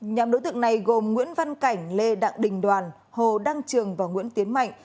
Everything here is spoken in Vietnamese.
nhóm đối tượng này gồm nguyễn văn cảnh lê đặng đình đoàn hồ đăng trường và nguyễn tiến mạnh